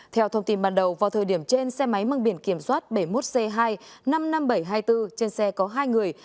theo thông tin ban đầu vào thời điểm trên xe máy mang biển kiểm soát bảy mươi một c hai trăm năm mươi năm nghìn bảy trăm hai mươi bốn trên xe có hai người